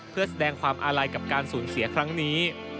เพื่อแสดงความอาลัยกับการสูญเสียครั้งนี้